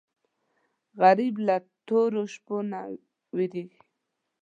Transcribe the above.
غریب له تورو شپو نه وېرېږي